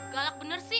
galak bener sih